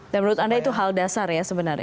dan menurut anda itu hal dasar ya sebenarnya